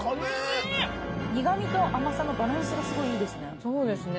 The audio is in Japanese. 苦味と甘さのバランスがすごいいいですね。